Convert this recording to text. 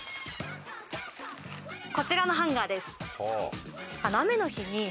こちらのハンガーです。